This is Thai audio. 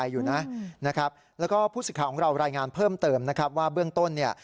อยู่นะนะครับแล้วก็ผู้สิทธิ์ของเรารายงานเพิ่มเติมนะครับว่าเบื้องต้นเนี่ย